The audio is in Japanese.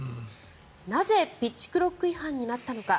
なぜ、ピッチクロック違反になったのか。